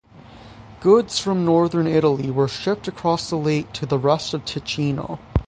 Goods from northern Italy were shipped across the lake to the rest of Ticino.